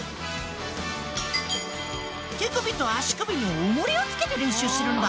手首と足首に重りをつけて練習してるんだ。